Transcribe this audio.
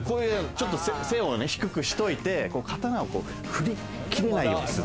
背を低くしといて、刀を振り切れないようにする。